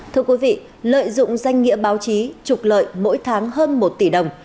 thưa quý vị lợi dụng danh nghĩa báo chí trục lợi mỗi tháng hơn một tỷ đồng